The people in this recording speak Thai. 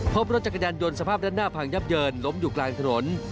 พบรถจักรยานยนต์สภาพด้านหน้าพังยับเยินล้มอยู่กลางถนน